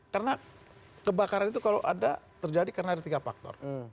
karena kebakaran itu kalau ada terjadi karena ada tiga faktor